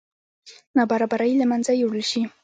نابرابرۍ له منځه یوړل شي.